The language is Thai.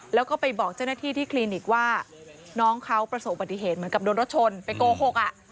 แล้วก็ไปบอกเจ้าหน้าที่ที่คลินิกว่าน้องเขาประสบปฏิเหตุเหมือนกับโดนรถชนไปโกหกอ่ะ